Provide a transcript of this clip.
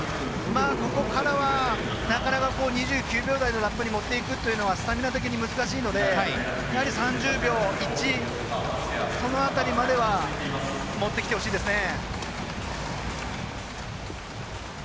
ここからはなかなか２９秒台のラップにもっていくというのはスタミナ的に難しいので３０秒１その辺りまではもってきてほしいですね。